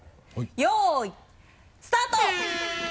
よいスタート！